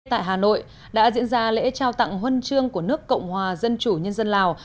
tại hà nội đã diễn ra lễ trao tặng huân chương của nước cộng hòa dân chủ nhân dân lào